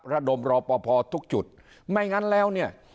ระดมรอปภทุกจุดไม่งั้นแล้วเนี่ย